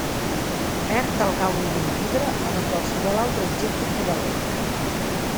Perd el gaudi d'un llibre o de qualsevol altre objecte equivalent.